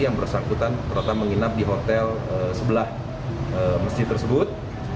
yang bersangkutan ternyata menginap di hotel sebelah masjid tersebut